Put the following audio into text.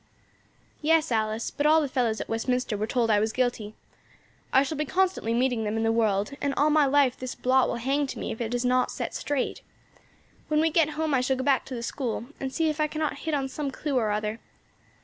"Yes, Alice; but all the fellows at Westminster were told I was guilty. I shall be constantly meeting them in the world, and all my life this blot will hang to me if it is not set straight. When we get home I shall go back to the School and see if I cannot hit on some clue or other.